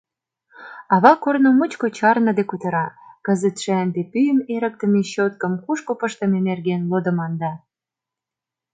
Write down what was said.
Ава корно мучко чарныде кутыра: кызытше ынде пӱйым эрыктыме щёткым кушко пыштыме нерген лодыманда.